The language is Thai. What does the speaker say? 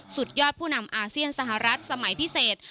สุดยอดผู้นำอาเซียนสหรัฐสมัยพิเศษ